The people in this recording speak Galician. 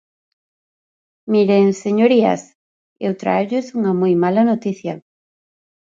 Miren, señorías, eu tráiolles unha moi mala noticia.